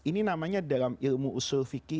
ini namanya dalam ilmu usul fikih